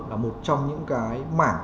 là một trong những cái mảng